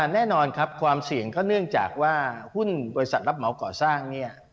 แน่นอนครับความเสี่ยงก็เนื่องจากว่าหุ้นบริษัทรับเหมาก่อสร้างเนี่ย